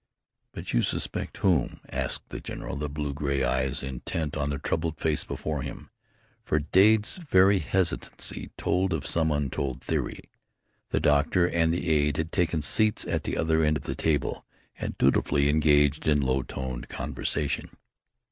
"But you suspect whom?" asked the general, the blue gray eyes intent on the troubled face before him, for Dade's very hesitancy told of some untold theory. The doctor and the aide had taken seats at the other end of the table and dutifully engaged in low toned conversation.